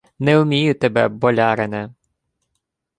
— Не умію тебе, болярине.